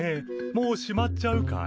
もうしまっちゃうかい？